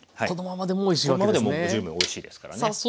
このままでも十分おいしいですからね。